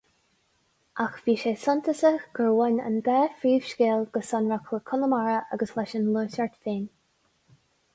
Ach bhí sé suntasach gur bhain an dá phríomhscéal go sonrach le Conamara agus leis an nGluaiseacht féin.